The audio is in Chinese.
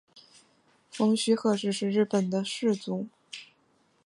蜂须贺氏是日本的氏族。